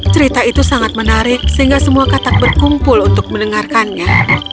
cerita itu sangat menarik sehingga semua katak berkumpul untuk mendengarkannya